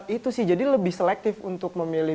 itu sih jadi lebih selektif untuk memilih